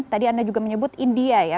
tadi anda juga menyebut india ya